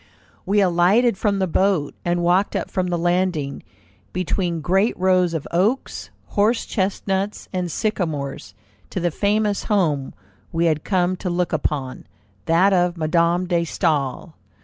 We alighted from the boat, and walked up from the landing, between great rows of oaks, horsechestnuts, and sycamores, to the famous home we had come to look upon, that of Madame de Staël.